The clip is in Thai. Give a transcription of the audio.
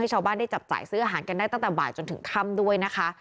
ชาวบ้านได้จับจ่ายซื้ออาหารกันได้ตั้งแต่บ่ายจนถึงค่ำด้วยนะคะ